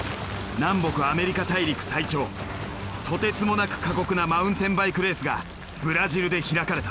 南北アメリカ大陸最長とてつもなく過酷なマウンテンバイクレースがブラジルで開かれた。